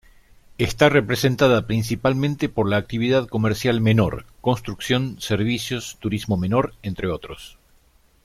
Está representada principalmente por la actividad comercial menor, construcción, servicios, turismo menor, entre otros.